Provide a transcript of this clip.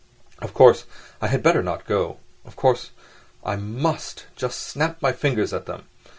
Of course I had better not go; of course, I must just snap my fingers at them.